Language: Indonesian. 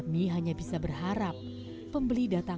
ini emasnya pertama setelah dua bulan